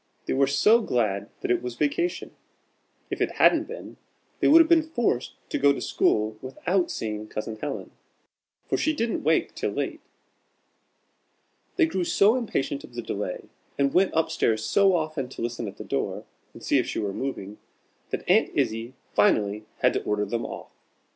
They were so glad that it was vacation! If it hadn't been, they would have been forced to go to school without seeing Cousin Helen, for she didn't wake till late. They grew so impatient of the delay, and went up stairs so often to listen at the door, and see if she were moving, that Aunt Izzie finally had to order them off.